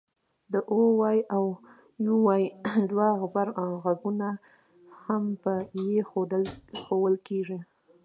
د oy او uy دوه غبرګغږونه هم په ی ښوول کېږي